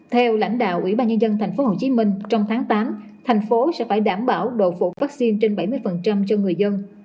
theo lãnh đạo ủy ban nhân dân tp hcm trong tháng tám thành phố sẽ phải đảm bảo độ phục vaccine trên bảy mươi cho người dân